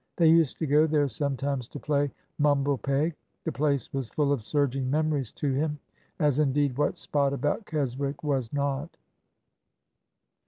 They used to go there sometimes to play mum ble peg." The place was full of surging memories to him, as indeed what spot about Keswick was not?